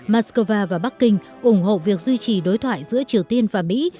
moscow và bắc kinh ủng hộ việc duy trì đối thoại giữa triều tiên và mỹ